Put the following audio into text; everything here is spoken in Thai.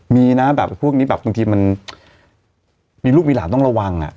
มีนะแบบพวกนี้แบบบางทีมันมีลูกมีหลานต้องระวัง